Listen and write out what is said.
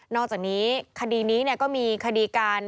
อกจากนี้คดีนี้ก็มีคดีการ